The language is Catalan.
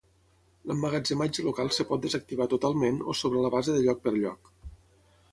L'emmagatzematge local es pot desactivar totalment o sobre la base de lloc per lloc.